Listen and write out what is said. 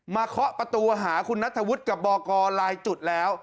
มาเคาะประตูหาคุณรัฐวุธกับบอกรลายจุดแล้ว